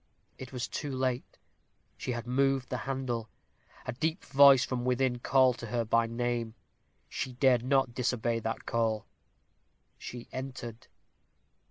It was too late she had moved the handle. A deep voice from within called to her by name. She dared not disobey that call she entered.